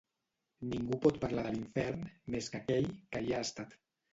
Ningú pot parlar de l'infern, més que aquell que hi ha estat.